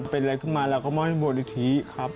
ตัวไปปีนอะไรขึ้นมาเราก็มอบให้บทริษครับ